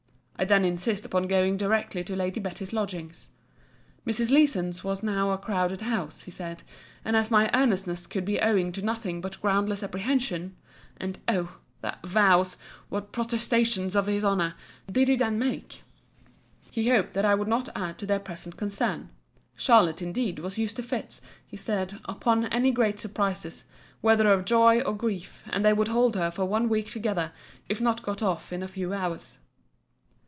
I then insisted upon going directly to Lady Betty's lodgings. Mrs. Leeson's was now a crowded house, he said: and as my earnestness could be owing to nothing but groundless apprehensions, [and Oh! what vows, what protestations of his honour, did he then make!] he hoped I would not add to their present concern. Charlotte, indeed, was used to fits, he said, upon any great surprises, whether of joy or grief; and they would hold her for one week together, if not got off in a few hours.